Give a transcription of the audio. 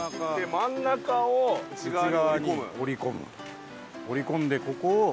真ん中を内側に折り込む。